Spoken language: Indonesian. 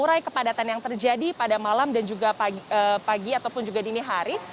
mengurai kepadatan yang terjadi pada malam dan juga pagi ataupun juga dini hari